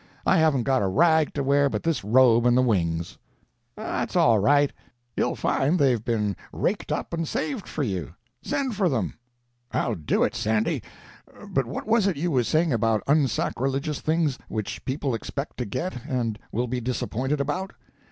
I haven't got a rag to wear but this robe and the wings." "That's all right. You'll find they've been raked up and saved for you. Send for them." "I'll do it, Sandy. But what was it you was saying about unsacrilegious things, which people expect to get, and will be disappointed about?"